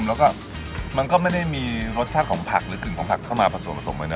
แล้วก็มันก็ไม่ได้มีรสชาติของผักหรือกลิ่นของผักเข้ามาผสมผสมไว้นะ